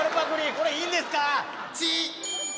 これいいんですか？